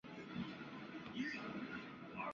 达利出生在纽约。